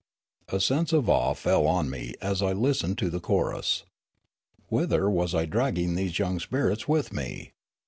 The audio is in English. A sense of awe fell on me as I listened to the chorus. Whither was I dragging these 5'oung spirits with me